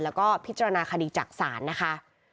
แล้วก็พิจารณาคดีจากศาลนะคะ